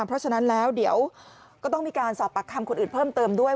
เพราะฉะนั้นแล้วเดี๋ยวก็ต้องมีการสอบปากคำคนอื่นเพิ่มเติมด้วย